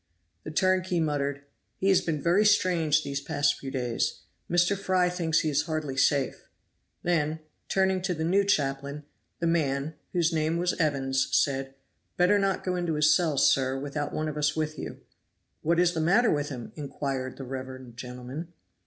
The turnkey muttered, "He has been very strange this few days past. Mr. Fry thinks he is hardly safe." Then, turning to the new chaplain, the man, whose name was Evans, said, "Better not go into his cell, sir, without one of us with you." "What is the matter with him?" inquired the reverend gentleman.